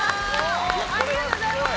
ありがとうございます！